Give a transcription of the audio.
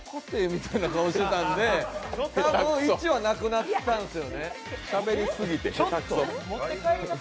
みたいな顔をしてたので１はなくなったんですよね。